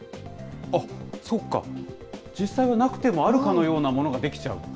あっ、そうか、実際はなくてもあるかのようなものが出来ちゃうと。